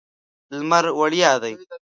لمر وړیا دی.